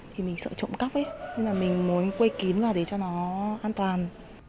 thì mình sợ trộm cắp nên là mình muốn quây kín vào để cho nó an toàn